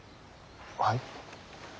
はい？